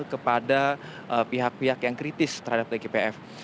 kepada pihak pihak yang kritis terhadap tgpf